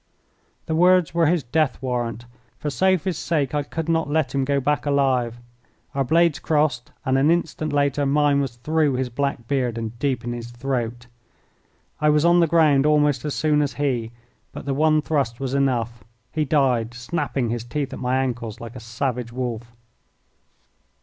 The words were his death warrant. For Sophie's sake I could not let him go back alive. Our blades crossed, and an instant later mine was through his black beard and deep in his throat. I was on the ground almost as soon as he, but the one thrust was enough. He died, snapping his teeth at my ankles like a savage wolf.